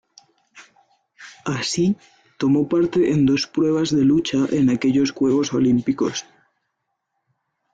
Así, tomó parte en dos pruebas de lucha en aquellos Juegos Olímpicos.